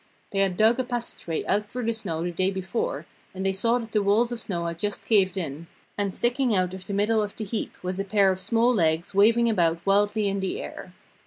They had dug a passage way out through the snow the day before, and they saw that the walls of snow had just caved in, and sticking out of the middle of the heap was a pair of small legs waving about wildly in the air.